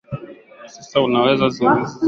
unaweza kupata nyuzinyuzi toka kwenye vyakula